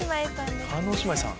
叶姉妹さん。